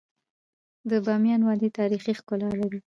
د بامیان وادی تاریخي ښکلا لري.